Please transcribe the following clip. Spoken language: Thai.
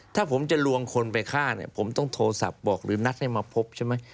ถ้าผมจะลวงคนไปฆ่าเนี่ยผมต้องโทรศัพท์บอกหรือนัดให้มาพบใช่ไหม